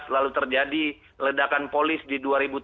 lalu terjadi ledakan polis di dua ribu tujuh belas